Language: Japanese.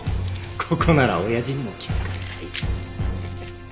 ここなら親父にも気づかれない。